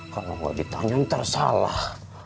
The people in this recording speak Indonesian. kalau gak ditanya tersalah